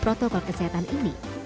protokol kesehatan ini